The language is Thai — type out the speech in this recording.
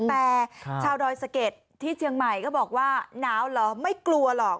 แต่ชาวดอยสะเก็ดที่เชียงใหม่ก็บอกว่าหนาวเหรอไม่กลัวหรอก